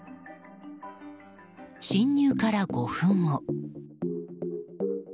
侵入から５分後。